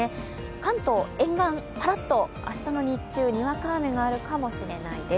関東沿岸、パラッと明日の日中、にわか雨があるかもしれないです。